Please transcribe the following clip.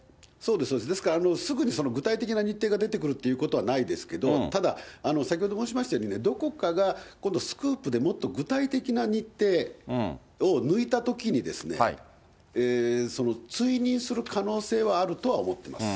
ですから、すぐに具体的な日程が出てくるっていうことはないですけど、ただ、先ほど申しましたように、どこかが今度、スクープでもっと具体的な日程を抜いたときに、その追認する可能性はあるとは思ってます。